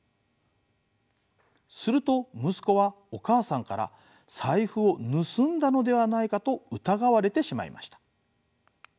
すると息子はお母さんから財布を盗んだのではないかと疑われてしまいました。